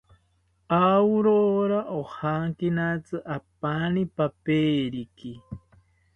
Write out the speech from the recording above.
Aurora ojankinatzi apani peperiki